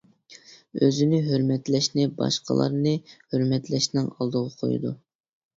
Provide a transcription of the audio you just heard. ئۆزىنى ھۆرمەتلەشنى باشقىلارنى ھۆرمەتلەشنىڭ ئالدىغا قويىدۇ.